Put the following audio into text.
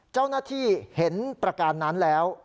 เจ้าหน้าที่เห็นประการนั้นแล้ว